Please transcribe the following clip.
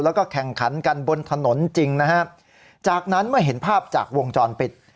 แล้วก็แข่งขันกันบนถนนจริงนะฮะจากนั้นเมื่อเห็นภาพจากวงจรปิด